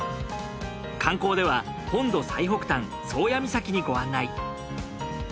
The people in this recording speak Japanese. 観光では本土最北端宗谷岬にご案内。